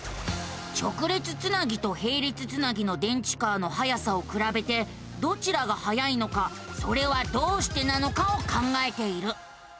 直列つなぎとへい列つなぎの電池カーのはやさをくらべてどちらがはやいのかそれはどうしてなのかを考えている。